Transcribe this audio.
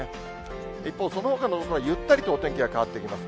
一方、そのほかの所はゆったりとお天気が変わってきます。